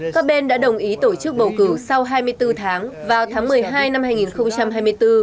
các bên đã đồng ý tổ chức bầu cử sau hai mươi bốn tháng vào tháng một mươi hai năm hai nghìn hai mươi bốn